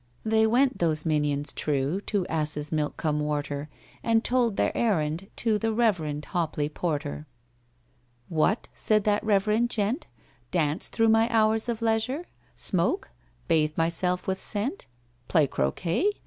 They went, those minions true, To Assesmilk cum Worter, And told their errand to The REVEREND HOPLEY PORTER. "What?" said that reverend gent, "Dance through my hours of leisure? Smoke?—bathe myself with scent?— Play croquêt?